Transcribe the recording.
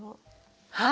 はい！